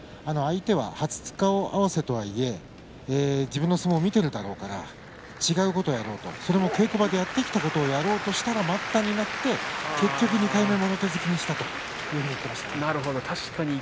相手は初顔合わせとはいえ自分の相撲を見ているだろうから違うことをやろうとそれも稽古場でやってきたことをやろうとしたら待ったになって結局２回目もろ手突きにしたというふうに言っていました。